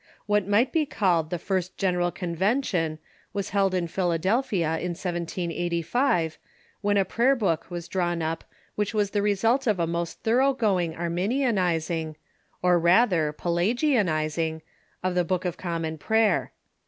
What might be called the first General Convention was held in Philadelphia in 1785, when a Prayer Book was drawn up which was the result of a most thorough going Arminianizing, or rather Pelagianizing, of the Book of Common Praj^er.